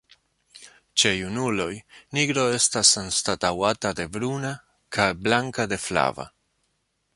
Ĉe junuloj nigro estas anstataŭata de bruna kaj blanka de flava.